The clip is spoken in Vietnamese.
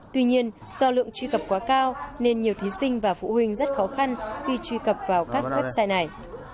tuy nhiên do lượng truy cập quá cao nên nhiều thí sinh và phụ huynh rất khó khăn khi truy cập vào các website này